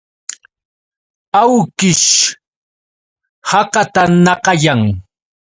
Awkish hakatanakayan.